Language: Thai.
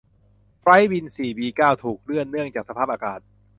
ไฟลท์บิน สี่บีเก้าถูกเลื่อนเนื่องจากสภาพอากาศ